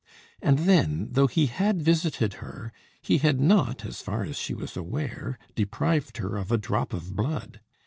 And then, though he had visited her, he had not, as far as she was aware, deprived her of a drop of blood.